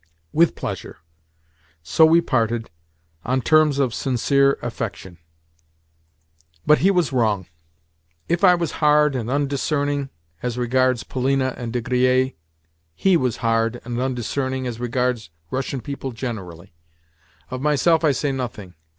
"With pleasure." So we parted—on terms of sincere affection. But he was wrong. If I was hard and undiscerning as regards Polina and De Griers, he was hard and undiscerning as regards Russian people generally. Of myself I say nothing.